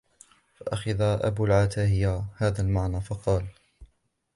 فَأَخَذَ أَبُو الْعَتَاهِيَةِ هَذَا الْمَعْنَى فَقَالَ